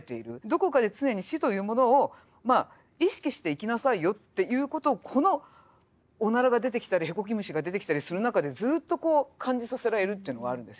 どこかで常に死というものをまあ意識して生きなさいよっていうことをこのおならが出てきたりへこき虫が出てきたりする中でずっとこう感じさせられるっていうのがあるんですよね。